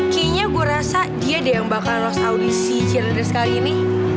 kayaknya gue rasa dia deh yang bakal lost audisi cilin cilin sekali ini